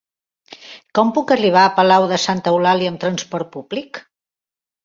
Com puc arribar a Palau de Santa Eulàlia amb trasport públic?